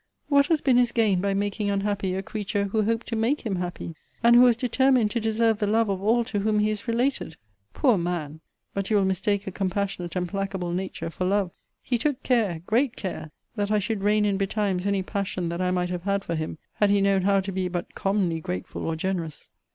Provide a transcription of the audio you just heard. what has been his gain by making unhappy a creature who hoped to make him happy! and who was determined to deserve the love of all to whom he is related! Poor man! but you will mistake a compassionate and placable nature for love! he took care, great care, that I should rein in betimes any passion that I might have had for him, had he known how to be but commonly grateful or generous!